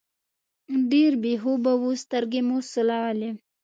ډېر بې خوبه وو، سترګې مو سولولې.